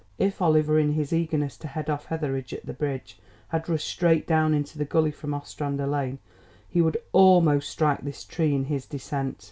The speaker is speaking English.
If Oliver, in his eagerness to head off Etheridge at the bridge, had rushed straight down into the gully from Ostrander Lane, he would almost strike this tree in his descent.